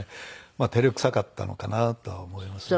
まあ照れくさかったのかなとは思いますね。